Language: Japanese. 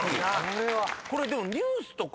これでも。